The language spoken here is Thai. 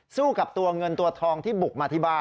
สู้กับตัวเงินตัวทองที่บุกมาที่บ้าน